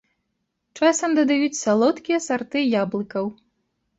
Часам дадаюць салодкія сарты яблыкаў.